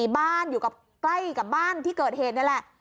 บ้านที่เกิดเหตุนั้นแหละ